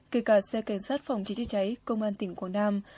kể cả xe cảnh sát phòng chế chế cháy công an tỉnh quảng nam